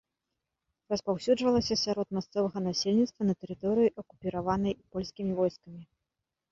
Распаўсюджвалася сярод мясцовага насельніцтва на тэрыторыі, акупіраванай польскімі войскамі.